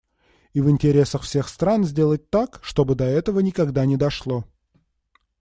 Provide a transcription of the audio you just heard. И в интересах всех стран сделать так, чтобы до этого никогда не дошло.